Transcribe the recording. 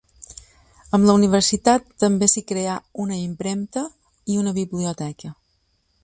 Amb la universitat també s'hi creà una impremta i una biblioteca.